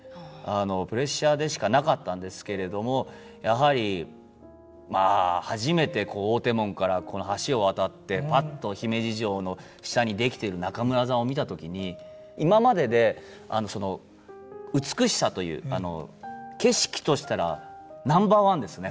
プレッシャーでしかなかったんですけれどもやはりまあ初めてこう大手門からこの橋を渡ってパッと姫路城の下に出来てる中村座を見た時に今までで美しさという景色としたらナンバーワンですね